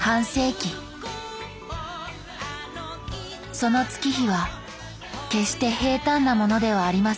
その月日は決して平たんなものではありませんでした